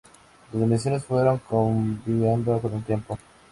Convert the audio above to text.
Las dimensiones fueron cambiando en el tiempo.